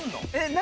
何？